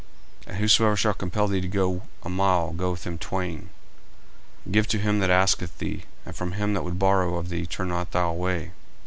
40:005:041 And whosoever shall compel thee to go a mile, go with him twain. 40:005:042 Give to him that asketh thee, and from him that would borrow of thee turn not thou away.